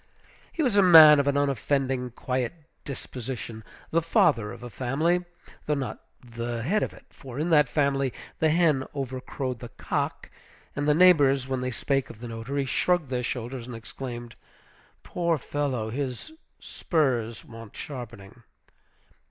He was a man of an unoffending, quiet disposition; the father of a family, though not the head of it, for in that family "the hen over crowed the cock," and the neighbors, when they spake of the notary, shrugged their shoulders, and exclaimed, "Poor fellow! his spurs want sharpening."